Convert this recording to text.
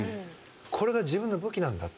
これが自分の武器なんだって。